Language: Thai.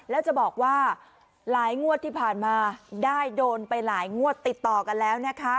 แล้วจะบอกว่าหลายงวดที่ผ่านมาได้โดนไปหลายงวดติดต่อกันแล้วนะคะ